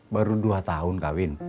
baru dua tahun kawin